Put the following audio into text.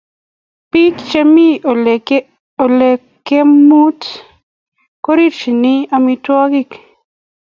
Bik chemei Ole kemeut korerchini amitwogik